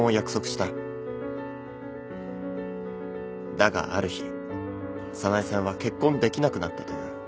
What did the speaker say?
だがある日早苗さんは結婚できなくなったという。